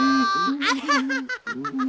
アハハハハハハ！